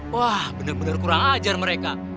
wah bener bener kurang ajar mereka